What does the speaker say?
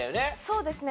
そうですね。